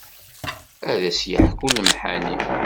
Ad as-yeḥku lemḥani.